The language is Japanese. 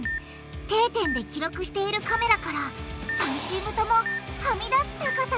定点で記録しているカメラから３チームともはみ出す高さに到達！